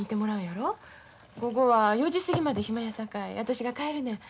午後は４時過ぎまで暇やさかい私が帰るねん。